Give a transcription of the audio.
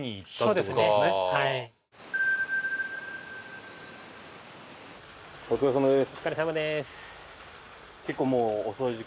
はいお疲れさまです